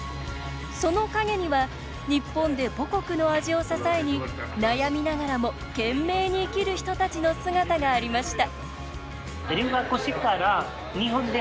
その陰には日本で母国の味を支えに悩みながらも懸命に生きる人たちの姿がありました